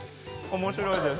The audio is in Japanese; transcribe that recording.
面白いです。